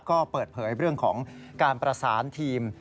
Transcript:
ก็เปิดเผยเรื่องของการประสานทีม